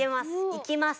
いきます！